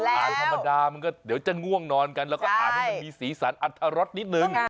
อาทิตย์ธรรมดาเดี๋ยวจะง่วงนอนกันแล้วก็อาจมีสีสันอัฐรสนิดนึง